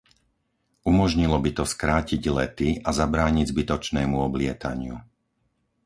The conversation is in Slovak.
Umožnilo by to skrátiť lety a zabrániť zbytočnému oblietaniu.